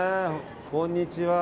こんにちは。